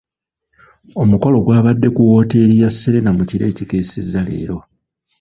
Omukolo gwabadde ku wooteeri ya Serena mu kiro ekikeesezza leero.